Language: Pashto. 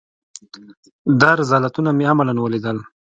دا رذالتونه مې عملاً وليدل.